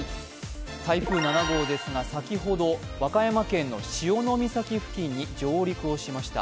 台風７号ですが、先ほど和歌山県の潮岬付近に上陸をしました。